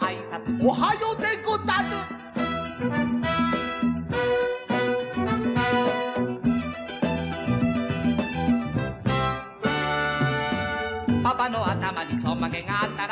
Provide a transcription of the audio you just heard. オハヨウでござーる」「パパのあたまにちょんまげがあったら」